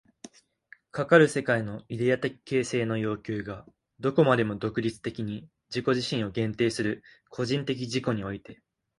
かかる世界のイデヤ的形成の要求がどこまでも独立的に自己自身を限定する個人的自己において、